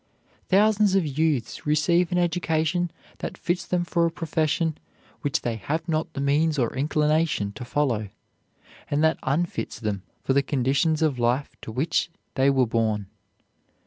Thousands of youths receive an education that fits them for a profession which they have not the means or inclination to follow, and that unfits them for the conditions of life to which they were born.